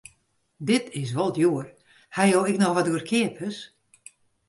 Dit is wol djoer, ha jo ek noch wat goedkeapers?